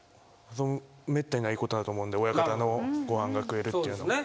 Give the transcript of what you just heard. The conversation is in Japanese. めったにないことだと思うんで親方のご飯が食えるっていうのは。